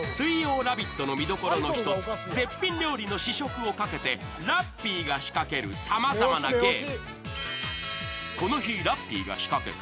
ラヴィット！の見どころの１つ、絶品料理の試食をかけてラッピーが仕掛けるさまざまなゲーム。